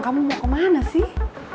kamu mau kemana sih